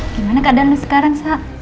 gimana keadaan lo sekarang sa